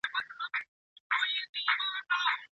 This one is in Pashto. ایا واړه پلورونکي پسته صادروي؟